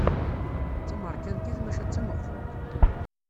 D tameṛkantit maca d tameɣbunt.